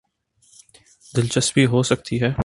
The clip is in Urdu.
دلچسپی ہو سکتی ہے۔